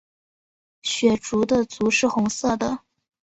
血雉的足是红色的。